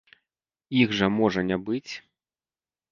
Іх жа можа не быць.